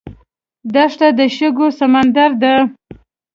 دښته د شګو سمندر دی.